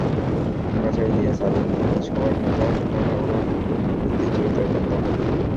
আমরা চাই, ইলিয়াস আলীর নিখোঁজ হওয়ার মতো ঘটনাগুলোর পুনরাবৃত্তি চিরতরে বন্ধ হোক।